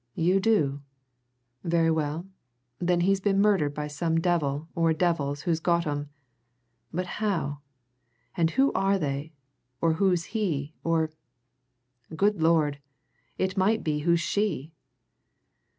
You do? Very well, then, he's been murdered by some devil or devils who's got 'em! But how? And who are they or who's he or good Lord! it might be who's she?"